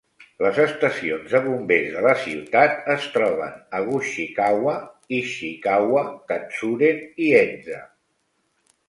Les estacions de bombers de la ciutat es troben a Gushikawa, Ishikawa, Katsuren i Henza.